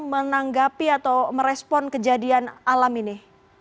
menanggapi atau merespon kejadian alam ini